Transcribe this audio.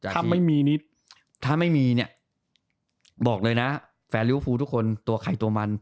ถ้าไม่มีเนี่ยบอกเลยนะแฟนริวภูทุกคนตัวไข่ตัวมัน